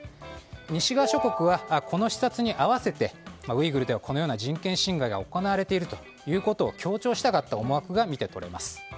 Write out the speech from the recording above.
西側諸国はこの視察に合わせてウイグルではこのような人権侵害が行われているということを強調したかった思惑が見て取れます。